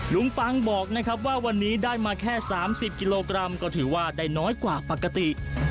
ปังบอกนะครับว่าวันนี้ได้มาแค่๓๐กิโลกรัมก็ถือว่าได้น้อยกว่าปกติ